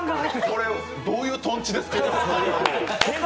これ、どういうとんちですか！？